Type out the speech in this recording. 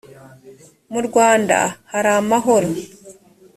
mu rwanda haramahoro.